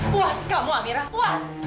puas kamu amyra puas